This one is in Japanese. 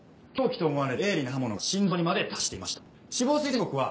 凶器と思われる鋭利な刃物が心臓にまで達していました。